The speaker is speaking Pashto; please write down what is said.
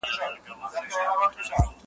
د سړک پر غاړه تور څادر رپېږي `